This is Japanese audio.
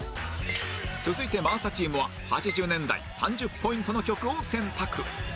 続いて真麻チームは８０年代３０ポイントの曲を選択